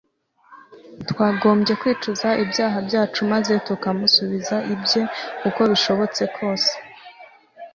twagombye kwicuza ibyaha byacu, maze tukamusubiza ibye uko bishobotse kose.